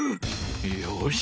よし！